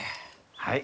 はい。